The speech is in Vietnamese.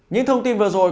những thông tin vừa rồi